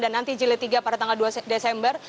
dan nanti jilid tiga pada tanggal dua desember